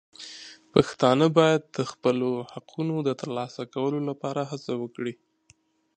پښتانه باید د خپلو حقونو د ترلاسه کولو لپاره هڅه وکړي.